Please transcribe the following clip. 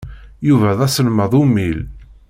Yuba d aselmad ummil.